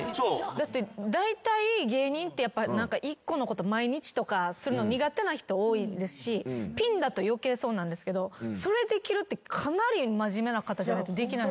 だいたい芸人って１個のこと毎日とかするの苦手な人多いですしピンだと余計そうなんですけどそれできるってかなり真面目な方じゃないとできない。